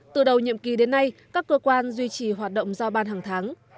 từ đầu nhiệm kỳ đến nay các cơ quan duy trì hoạt động giao ban hàng tháng